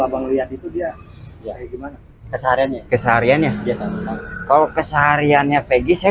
abang lihat itu dia ya gimana kesehariannya kesehariannya dia tahu kalau kesehariannya peggy saya